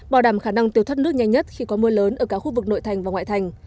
bảo đảm khả năng tiêu thoát nước nhanh nhất khi có mưa lớn ở cả khu vực nội thành và ngoại thành